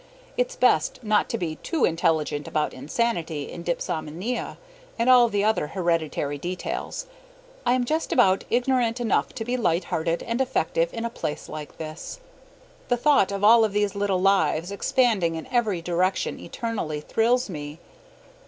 It's best not to be too intelligent about insanity and dipsomania and all the other hereditary details. I am just about ignorant enough to be light hearted and effective in a place like this. The thought of all of these little lives expanding in every direction eternally thrills me.